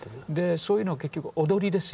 そういうの結局踊りですよね。